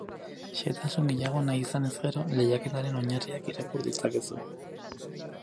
Xehetasun gehiago nahi izanez gero, lehiaketaren oinarriak irakur ditzakezue.